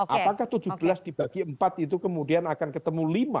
apakah tujuh belas dibagi empat itu kemudian akan ketemu lima